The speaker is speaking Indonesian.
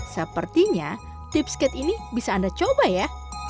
sepertinya tips kate ini bisa anda coba ya